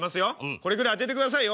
これぐらい当ててくださいよ。